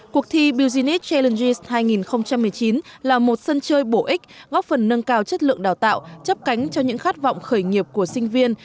cuộc thi business challenge hai nghìn một mươi chín là một sân chơi bổ ích góp phần nâng cao chất lượng đào tạo chấp cánh cho những khát vọng khởi nghiệp của sinh viên